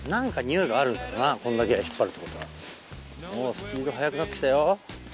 スピード速くなってきたよ。